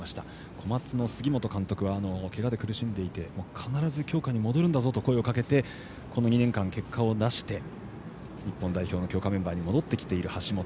コマツの杉本監督は必ず強化に戻るんだぞと声をかけてこの２年間、結果を出して日本代表の強化メンバーに戻ってきている橋本。